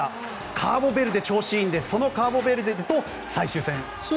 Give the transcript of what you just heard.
カボベルデ、調子がいいんでそのカボベルデと最終戦。